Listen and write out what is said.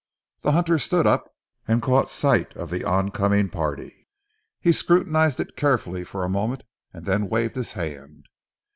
The hunter stood up and caught sight of the oncoming party. He scrutinized it carefully for a moment and then waved his hand.